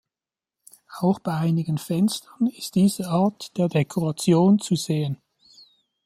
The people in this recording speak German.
Auch bei einigen Fenstern ist diese Art der Dekoration zu sehen.